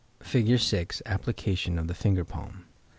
Fig. 6. Application of the Finger Palm.